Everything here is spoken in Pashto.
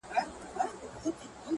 o دا رومانتيك احساس دي خوږ دی گراني،